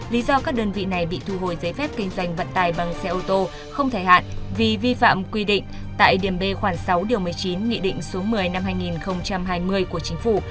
lý do các đơn vị này bị thu hồi giấy phép kinh doanh vận tải bằng xe ô tô không thời hạn vì vi phạm quy định tại điểm b khoảng sáu điều một mươi chín nghị định số một mươi năm hai nghìn hai mươi của chính phủ